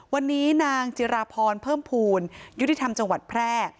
วันนี้นางจิราพรเพิ่มภูมิยุติธรรมจังหวัดแพร่